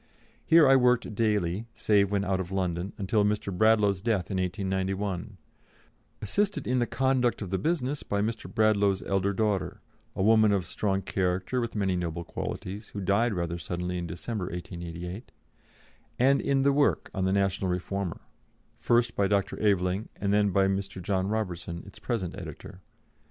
Here I worked daily, save when out of London, until Mr. Bradlaugh's death in 1891, assisted in the conduct of the business by Mr. Bradlaugh's elder daughter a woman of strong character with many noble qualities, who died rather suddenly in December, 1888, and in the work on the National Reformer, first by Dr. Aveling, and then by Mr. John Robertson, its present editor.